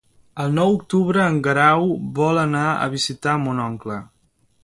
El nou d'octubre en Guerau vol anar a visitar mon oncle.